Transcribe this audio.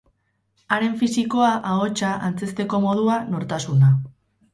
Haren fisikoa, ahotsa, antzezteko modua, nortasuna.